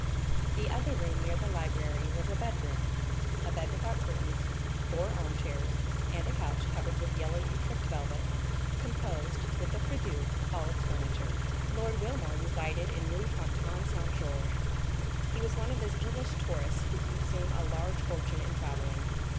The other room near the library was a bedroom. A bed without curtains, four armchairs, and a couch, covered with yellow Utrecht velvet, composed, with a prie Dieu, all its furniture. "Lord Wilmore resided in Rue Fontaine Saint Georges. He was one of those English tourists who consume a large fortune in travelling.